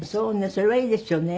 それはいいですよね。